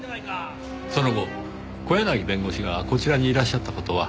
その後小柳弁護士がこちらにいらっしゃった事は？